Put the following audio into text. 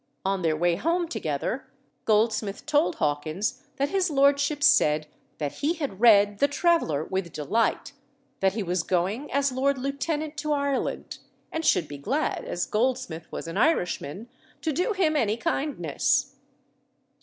On their way home together, Goldsmith told Hawkins that his lordship said that he had read the Traveller with delight, that he was going as Lord Lieutenant to Ireland, and should be glad, as Goldsmith was an Irishman, to do him any kindness.